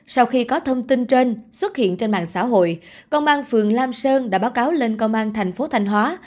sau khi có thông tin trên xuất hiện trên mạng xã hội công an phường lam sơn đã báo cáo lên công an thành phố thanh hóa